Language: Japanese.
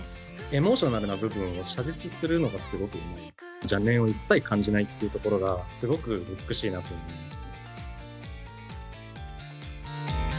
エモーショナルな部分を写実するのが、すごくうまい、一切邪念を感じないところがすごく美しいなと思います。